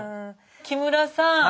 木村さん